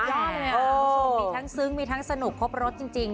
ยอดเลยมีทั้งซึ้งมีทั้งสนุกครบรสจริงค่ะ